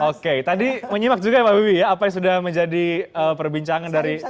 oke tadi menyimak juga ya mbak wiwi ya apa yang sudah menjadi perbincangan dari